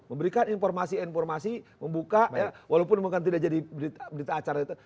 memberikan informasi informasi membuka walaupun bukan tidak jadi berita acara itu